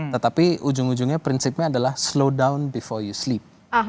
tetapi ujung ujungnya prinsipnya adalah slow down befoyu sleep